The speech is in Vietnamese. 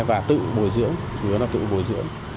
và tự bồi dưỡng chủ yếu là tự bồi dưỡng